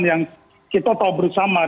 yang kita tahu bersama